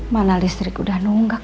mana listrik udah nunggak